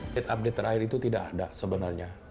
kita update terakhir itu tidak ada sebenarnya